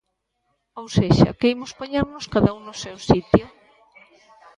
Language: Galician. Ou sexa que imos poñernos cada un no seu sitio.